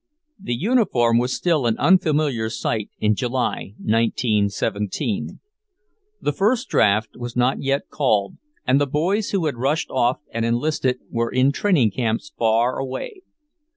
The uniform was still an unfamiliar sight in July, 1917. The first draft was not yet called, and the boys who had rushed off and enlisted were in training camps far away.